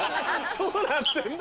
どうなってんだ？